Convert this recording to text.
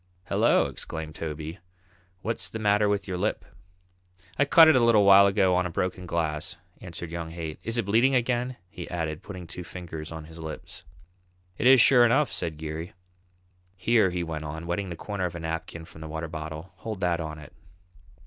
"Hello!" exclaimed Toby, "what's the matter with your lip?" "I cut it a little while ago on a broken glass," answered young Haight. "Is it bleeding again?" he added, putting two fingers on his lips. "It is sure enough," said Geary. "Here," he went on, wetting the corner of a napkin from the water bottle, "hold that on it."